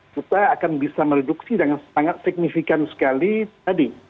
kita akan bisa mereduksi dengan sangat signifikan sekali tadi